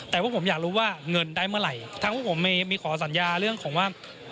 แต่ว่าผมอยากรู้ว่าเงินได้เมื่อไหร่ทั้งพวกผมมีขอสัญญาเรื่องของว่า